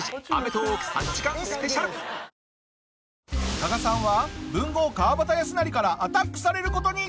加賀さんは文豪川端康成からアタックされる事に！